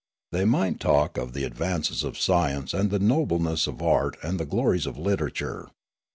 They might talk of the advances of science and the nobleness of art and the glories of literature.